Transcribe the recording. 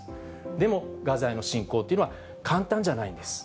でもガザへの侵攻というのは、簡単じゃないんです。